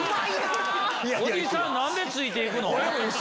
おじさん何でついて行くの？